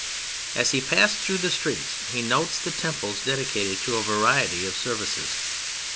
As he passes through the streets he notes the temples dedicated to a variety of services.